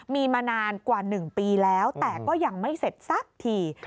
มีมานานกว่า๑ปีแล้วแต่ก็ยังไม่เสร็จสักที